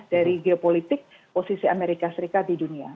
dari geopolitik posisi amerika serikat di dunia